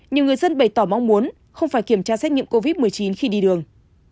nhiều người dân bày tỏ mong muốn không phải kiểm tra xét nghiệm covid một mươi chín khi đi đường